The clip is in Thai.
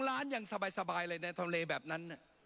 ร้านยังสบายเลยในทะเลแบบนั้น